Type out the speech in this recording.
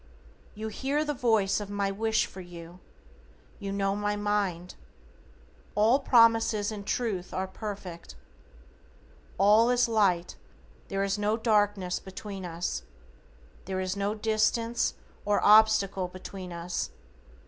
You hear the voice of my wish for you. You know my mind. All promises in truth are perfect. All is light, there is no darkness between us. There is no distance, or obstacle between us.